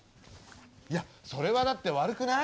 いやそれはだって悪くない？